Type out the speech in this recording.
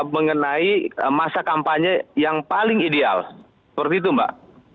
mengenai masa kampanye yang paling ideal seperti itu mbak